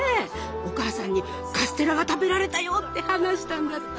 お母さんにカステラが食べられたよって話したんだって。